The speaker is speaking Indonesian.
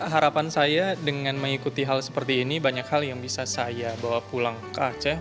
harapan saya dengan mengikuti hal seperti ini banyak hal yang bisa saya bawa pulang ke aceh